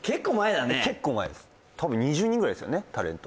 結構前です多分２０人ぐらいですよねタレント